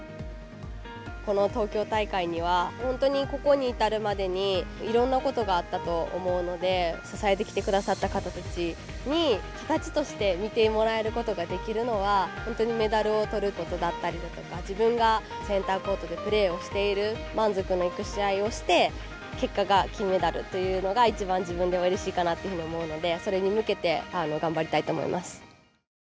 この東京大会には本当に、ここに至るまでにいろんなことがあったと思うので支えてきてくださった方たちに形として見てもらえることができるのは本当にメダルを取ることだったりとか自分がセンターコートでプレーをしている満足のいく試合をして結果が金メダルっていうのが一番、自分では、うれしいかなっていうふうに思うのでそれに向けて頑張りたいと思います。